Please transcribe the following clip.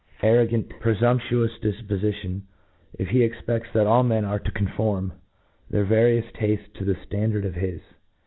arrogant, prefumptuoUs difpofition, if he cxpefts that all men arc to conform their various taftcs to the ftandard of his.